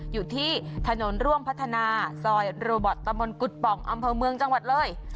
อยู่ที่ถนนร่วมพัฒนาซอยโรบอตตะมนตกุฎป่องอำเภอเมืองจังหวัดเลย